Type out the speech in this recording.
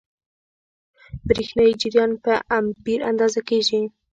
برېښنايي جریان په امپیر اندازه کېږي.